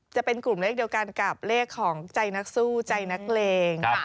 จะเป็นกลุ่มเลขเดียวกันกับเลขของใจนักสู้ใจนักเลง